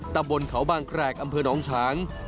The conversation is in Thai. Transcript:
ตำบลเขาบางแกรกอำเภอน้องช้าง